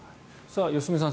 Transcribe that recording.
良純さん